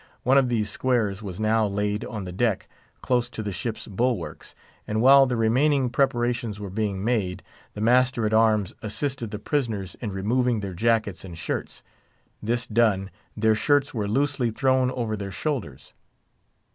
One of these squares was now laid on the deck, close to the ship's bulwarks, and while the remaining preparations were being made, the master at arms assisted the prisoners in removing their jackets and shirts. This done, their shirts were loosely thrown over their shoulders.